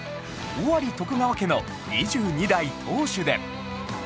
尾張徳川家の２２代当主で